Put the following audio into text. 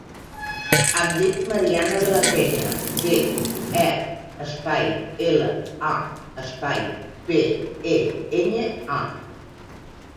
Em dic Mariana De La Peña: de, e, espai, ela, a, espai, pe, e, enya, a.